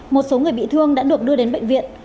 một số người bị thương đã được đưa đến bệnh viện